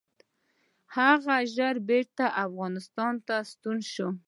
هغه ژر بیرته افغانستان ته ستون شي.